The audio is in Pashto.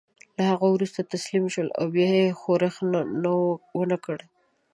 له هغه وروسته تسلیم شول او بیا یې ښورښ ونه کړ.